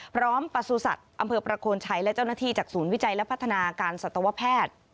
ประสุทธิ์อำเภอประโคนชัยและเจ้าหน้าที่จากศูนย์วิจัยและพัฒนาการสัตวแพทย์